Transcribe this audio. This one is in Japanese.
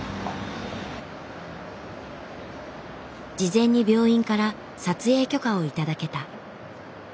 事前に病院から撮影許可を頂けた。